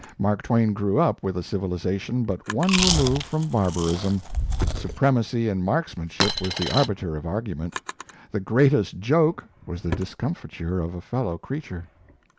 Mark Twain grew up with a civilization but one remove from barbarism; supremacy in marksmanship was the arbiter of argument; the greatest joke was the discomfiture of a fellow creature.